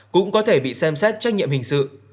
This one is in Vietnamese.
cũng có thể bị xem xét trách nhiệm hình sự